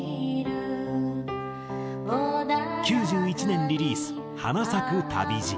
９１年リリース『花咲く旅路』。